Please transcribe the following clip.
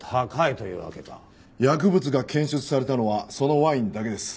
薬物が検出されたのはそのワインだけです。